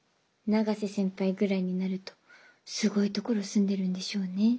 永瀬先輩ぐらいになるとすごいところ住んでるんでしょうね。